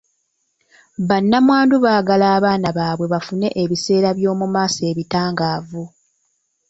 Bannamwandu baagala abaana baabwe bafune ebiseera by'omu maaso ebitangaavu.